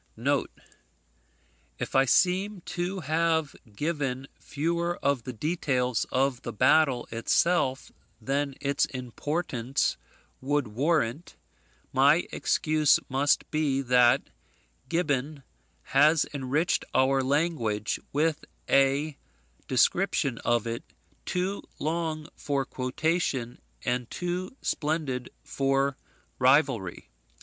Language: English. [If I seem to have given fewer of the details of the battle itself than its importance would warrant, my excuse must be, that Gibbon has enriched our language with a description of it, too long for quotation and too splendid for rivalry.